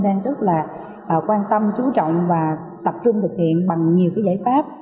đang rất là quan tâm chú trọng và tập trung thực hiện bằng nhiều cái giải pháp